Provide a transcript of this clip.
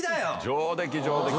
上出来上出来。